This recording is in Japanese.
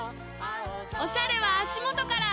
おしゃれは足元から！